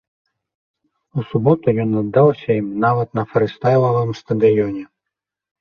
У суботу ён аддаўся ім нават на фрыстайлавым стадыёне.